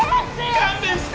勘弁して！